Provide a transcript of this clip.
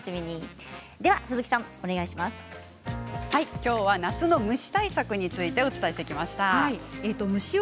きょうは、夏の虫対策についてお伝えしてきました。